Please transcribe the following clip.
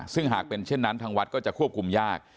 ซึ่งหากเป็นเช่นนั้นทางวัดก็จะควบคุมยาก